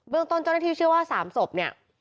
เรื่องต้นเจ้าหน้าที่เชื่อว่า๓ศพเนี่ย